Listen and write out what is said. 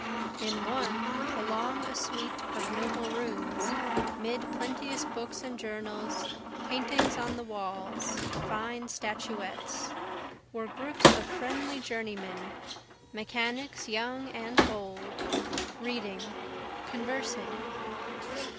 In one, along a suite of noble rooms, 'Mid plenteous books and journals, paintings on the walls, fine statuettes, Were groups of friendly journeymen, mechanics young and old, Reading, conversing.